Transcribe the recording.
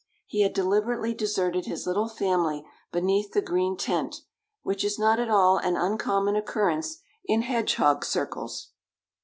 He had deliberately deserted his little family beneath the green tent, which is not at all an uncommon occurrence in hedgehog circles.